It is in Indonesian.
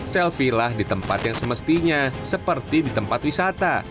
selfie lah di tempat yang semestinya seperti di tempat wisata